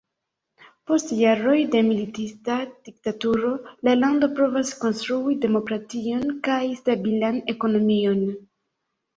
Post jaroj de militista diktaturo la lando provas konstrui demokration kaj stabilan ekonomion.